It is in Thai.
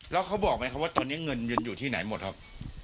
แล้วเขาบอกไหมครับว่าตอนนี้เงินยืนอยู่ที่ไหนหมดครับ